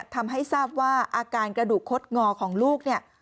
ทำให้ทราบว่าอาการกระดูกคดงอของลูกเนี่ย